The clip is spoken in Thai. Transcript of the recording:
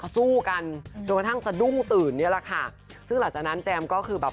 สู้กันจนกระทั่งสะดุ้งตื่นเนี่ยแหละค่ะซึ่งหลังจากนั้นแจมก็คือแบบ